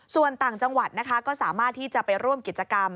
ส่วนต่างจังหวัดนะคะก็สามารถที่จะไปร่วมกิจกรรม